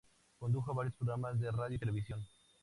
Condujo varios programas de radio y televisión.